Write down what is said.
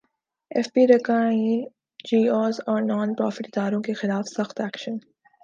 F B رکا N G Os اور non profit اداروں کیخلاف سخت ایکشن